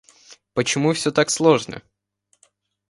Почему всё так сложно?